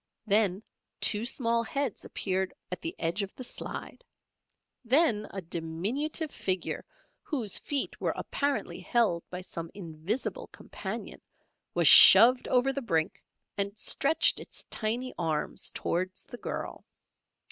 Then two small heads appeared at the edge of the slide; then a diminutive figure whose feet were apparently held by some invisible companion, was shoved over the brink and stretched its tiny arms towards the girl.